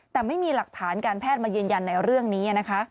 แต่ไม่มีหลักฐานการแพทย์มายืนยันในเรื่องนี้นะคะ